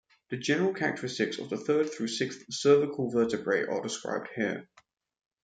The general characteristics of the third through sixth cervical vertebrae are described here.